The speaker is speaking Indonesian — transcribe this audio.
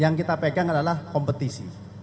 yang kita pegang adalah kompetisi